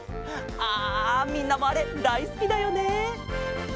ああみんなもあれだいすきだよね？